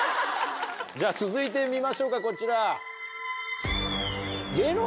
じゃ続いて見ましょうかこちら。